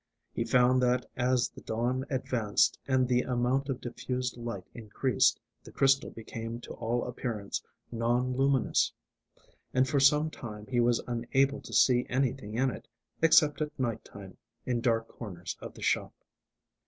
He found that as the dawn advanced, and the amount of diffused light increased, the crystal became to all appearance non luminous. And for some time he was unable to see anything in it, except at night time, in dark corners of the shop.